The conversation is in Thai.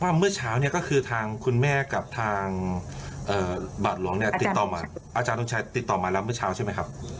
ว่าเมื่อเช้าก็คือทางคุณแม่กับทางบาทหลวงอาจารย์ทุนชัยติดต่อมาแล้วเมื่อเช้าใช่ไหมครับ